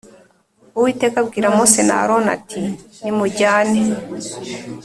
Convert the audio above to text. Uwiteka abwira Mose na Aroni ati “Nimujyane”.